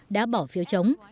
đã bỏ phiếu chống